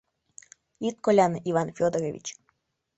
— Ит коляне, Иван Фёдорович!